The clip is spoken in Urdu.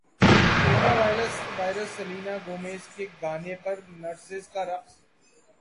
کورونا وائرس سلینا گومز کے گانے پر نرسز کا رقص